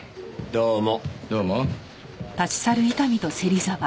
どうも。